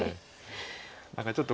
何かちょっと。